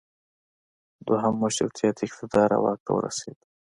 دویم مشروطیت اقتدار او واک ته ورسید.